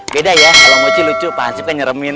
beda ya kalau mochi lucu pak hansip kan nyeremin